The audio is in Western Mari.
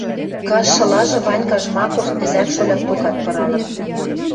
Каштшылажы Ванька Жмаков ӹзӓк-шоляк докат пыралын.